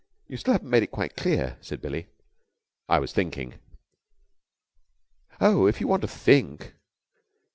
"You still haven't made it quite clear," said Billie. "I was thinking." "Oh, if you want to think!"